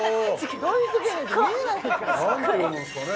何て読むんすかね